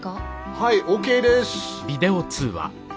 はいＯＫです。